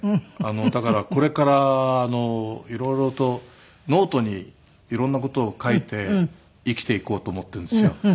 だからこれから色々とノートに色んな事を書いて生きていこうと思っているんですよ。